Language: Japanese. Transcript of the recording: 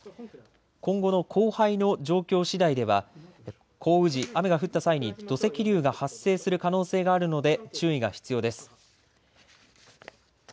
今後の降灰の状況しだいでは降雨時、雨が降った際に土石流が発生する可能性があるので注意が必要です。